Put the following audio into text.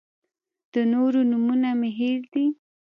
د نورو نومونه مې هېر دي.